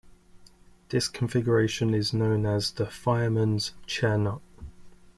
This configuration is known as the fireman's chair knot.